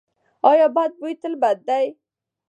ایا بد بوی تل بد دی؟